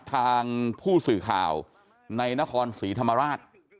ทางผู้สื่อข่าวในนครศรีธรรมราช